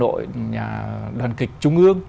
rồi là đoàn kịch trung ương